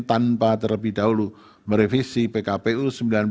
tanpa terlebih dahulu merevisi pkpu sembilan belas dua ribu dua puluh tiga